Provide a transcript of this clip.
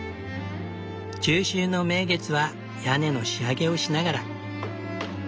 中秋の名月は屋根の仕上げをしながら。